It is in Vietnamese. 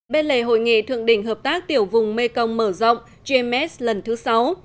bên lề hội nghị thượng đỉnh hợp tác tiểu vùng mekong mở rộng gms lần thứ sáu